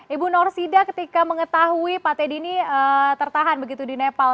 ibu norsida ketika mengetahui pak teddy ini tertahan begitu di nepal